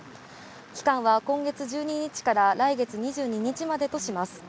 期間は今月１２日から来月２２日までとします。